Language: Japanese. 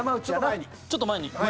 ちょっと前に。